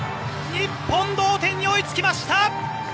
日本、同点に追いつきました。